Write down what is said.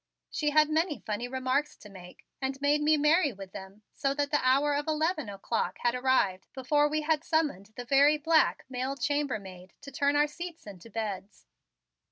She had many funny remarks to make and made me merry with them so that the hour of eleven o'clock had arrived before we had summoned the very black male chamber maid to turn our seats into beds.